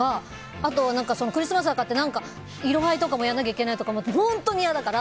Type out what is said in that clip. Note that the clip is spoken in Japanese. あとクリスマスだからって色合いとかもやらなきゃいけないとか本当に嫌だから。